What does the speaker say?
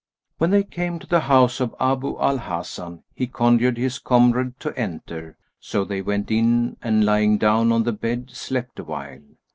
When they came to the house of Abu al Hasan, he conjured his comrade to enter; so they went in and lying down on the bed, slept awhile.